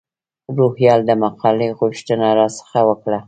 روهیال د مقالې غوښتنه را څخه وکړه.